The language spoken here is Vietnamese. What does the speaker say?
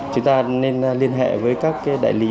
chúng ta nên liên hệ với các đại lực